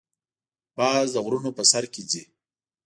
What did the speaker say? باز د غرونو په سر کې ځې